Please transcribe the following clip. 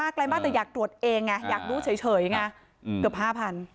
ไกลมากแต่อยากตรวจเองไงอยากรู้เฉยไงเกือบ๕๐๐